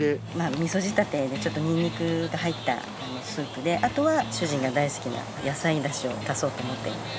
味噌仕立てでちょっとニンニクが入ったスープであとは主人が大好きな野菜だしを足そうと思って。